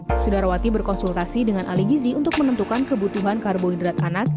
hal yang penting sudarwati berkonsultasi dengan aligizi untuk menentukan kebutuhan karbohidrat anak